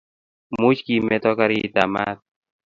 Much kimeto karitab mat